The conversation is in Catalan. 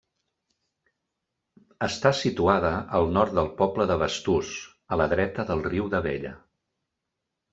Està situada al nord del poble de Basturs, a la dreta del riu d'Abella.